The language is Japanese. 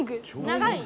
長い？